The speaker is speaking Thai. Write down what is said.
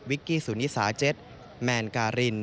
กี้สุนิสาเจ็ตแมนการิน